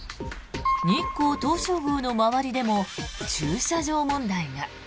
日光東照宮の周りでも駐車場問題が。